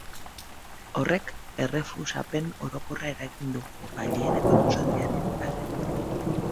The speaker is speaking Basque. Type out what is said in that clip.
Horrek errefusapen orokorra eragin du, epaileen eta oposizioaren aldetik.